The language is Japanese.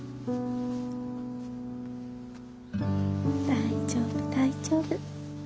大丈夫大丈夫。